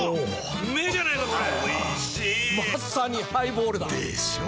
うめぇじゃないかこれ美味しいまさにハイボールだでっしょ？